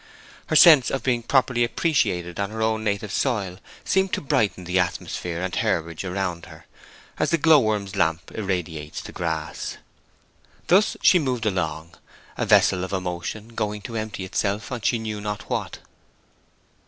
Her sense of being properly appreciated on her own native soil seemed to brighten the atmosphere and herbage around her, as the glowworm's lamp irradiates the grass. Thus she moved along, a vessel of emotion going to empty itself on she knew not what.